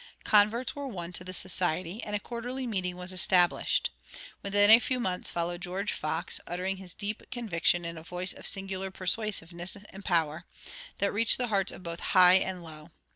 Converts were won to the society, and a quarterly meeting was established. Within a few months followed George Fox, uttering his deep convictions in a voice of singular persuasiveness and power, that reached the hearts of both high and low.